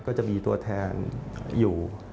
ก็จะมีตัวแทนอยู่